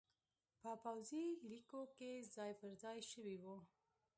په پوځي لیکو کې ځای پرځای شوي وو